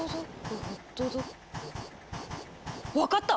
分かった！